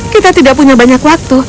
kita tidak punya banyak waktu